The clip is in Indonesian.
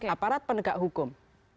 aparat penegak hukum